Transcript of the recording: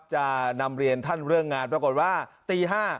จะนำเรียนท่านเรื่องงานปรากฏว่าตี๕